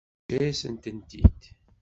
Yeǧǧa-yasen-tent-id?